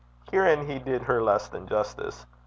Herein he did her less than justice.